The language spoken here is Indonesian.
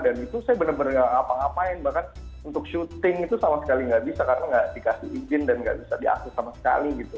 dan itu saya benar benar ngapa ngapain bahkan untuk syuting itu sama sekali nggak bisa karena nggak dikasih izin dan nggak bisa diaktif sama sekali gitu